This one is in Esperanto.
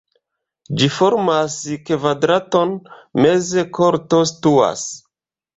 Ĝi formas kvadraton, meze korto situas.